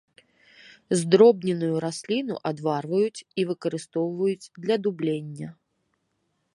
Здробненую расліну адварваюць і выкарыстоўваюць для дублення.